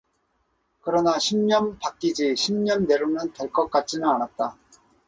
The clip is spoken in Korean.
그러나 십년 밖이지 십 년 내로는 될 것 같지는 않았다.